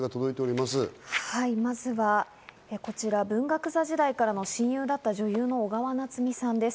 まずは文学座時代からの親友だった女優の小川菜摘さんです。